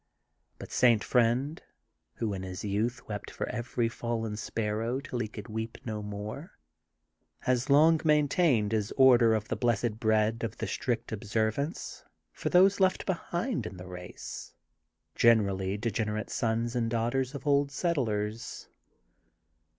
But St. Friend, who in his youth wept for every fallen sparrow till he could weep no more, has long maintained his Order of the Blessed Bread of the Strict Observance for those left behind in the race, generally degen erate sons and daughters of old settlers.'"